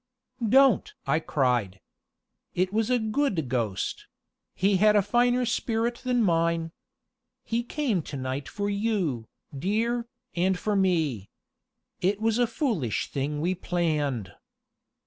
"Don't!" I cried. "It was a good ghost he had a finer spirit than mine. He came to night for you, dear, and for me. It was a foolish thing we planned."